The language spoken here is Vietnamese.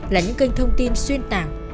là những kênh thông tin xuyên tảng